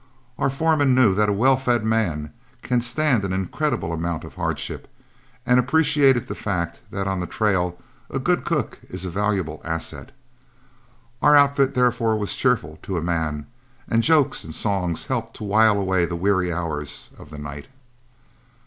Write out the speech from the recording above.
Our foreman knew that a well fed man can stand an incredible amount of hardship, and appreciated the fact that on the trail a good cook is a valuable asset. Our outfit therefore was cheerful to a man, and jokes and songs helped to while away the weary hours of the night.